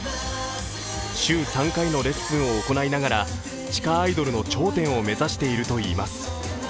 週３回のレッスンを行いながら地下アイドルの頂点を目指しているといいます。